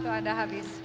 waktu anda habis